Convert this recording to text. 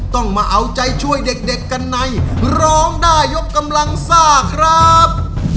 ต้องมาเอาใจช่วยเด็กกันในร้องได้ยกกำลังซ่าครับ